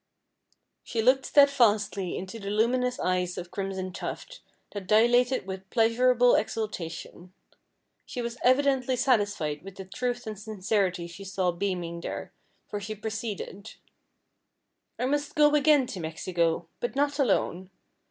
She looked steadfastly into the luminous eyes of Crimson Tuft, that dilated with pleasurable exultation. She was evidently satisfied with the truth and sincerity she saw beaming there, for she proceeded: "I must go again to Mexico, but not alone.